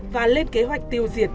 và lên kế hoạch tiêu diệt